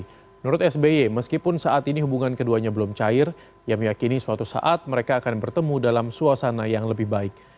menurut sby meskipun saat ini hubungan keduanya belum cair yang meyakini suatu saat mereka akan bertemu dalam suasana yang lebih baik